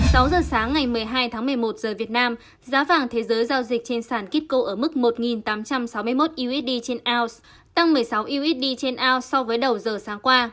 sáu h sáng ngày một mươi hai tháng một mươi một giờ việt nam giá vàng thế giới giao dịch trên sản kích cấu ở mức một tám trăm sáu mươi một usd trên aus tăng một mươi sáu usd trên aus so với đầu giờ sáng qua